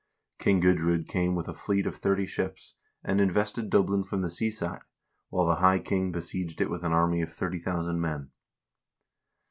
King Gudr0d came with a fleet of thirty ships, and invested Dublin from the seaside, while the high king besieged it with an army of 30,000 men.